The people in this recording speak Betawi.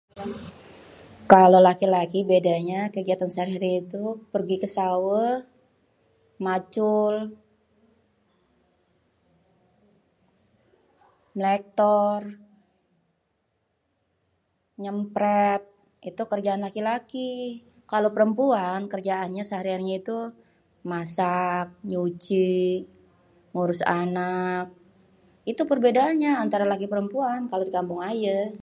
kalo laki-laki bédanya kégiatan séhari-hari itu pergi ké sawéh, macul, mlektor, nyémprét itu kérjaan laki-laki. Kalo pérémpuan kérjaannya sehari-harinya itu masak, nyuci, ngurus anak, itu pérbédaanya antara laki-laki pérémpuan kalo dikampung ayé